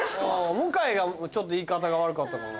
向井がちょっと言い方が悪かったかな。